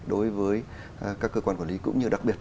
đối với các cơ quan quản lý cũng như đặc biệt